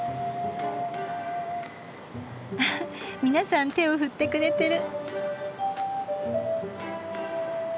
あはっ皆さん手を振ってくれてる。